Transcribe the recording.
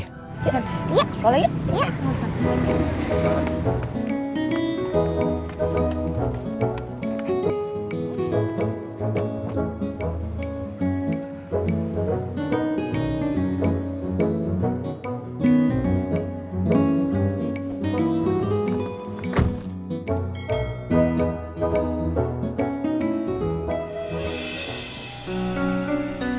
yuk sekolah yuk